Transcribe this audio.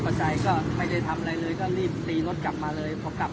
ตอนนี้กำหนังไปคุยของผู้สาวว่ามีคนละตบ